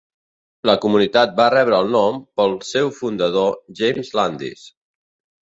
La comunitat va rebre el nom pel seu fundador James Landis.